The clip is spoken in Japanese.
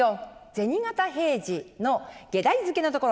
「銭形平次」の外題付けのところ。